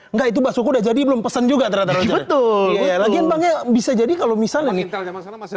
enggak itu bahasa udah jadi belum pesen juga terhadap betul lagi yang bisa jadi kalau misalnya